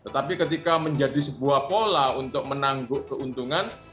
tapi ketika menjadi sebuah pola untuk menangguk keuntungan